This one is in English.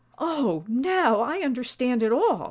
"Oh! now I understand it all!"